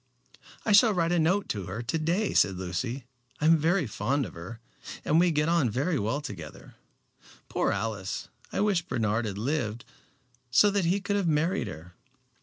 "I shall write a note to her to day," said Lucy. "I am very fond of her, and we get on very well together. Poor Alice. I wish Bernard had lived, so that he could have married her."